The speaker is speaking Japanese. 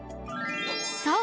［そう。